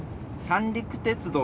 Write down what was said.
三陸鉄道？